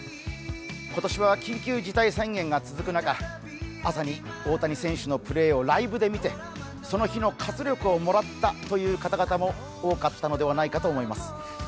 今年は緊急事態宣言が続く中朝に大谷選手のプレーをライブで見てその日の活力をもらったという方々も多かったのではないかと思います。